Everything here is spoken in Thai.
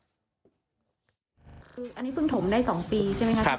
คืออันนี้เพิ่งถมได้๒ปีใช่ไหมคะ